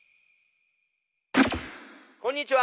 こんにちは。